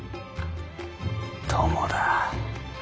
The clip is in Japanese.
友だ。